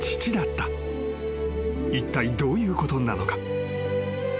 ［いったいどういうことなのか？］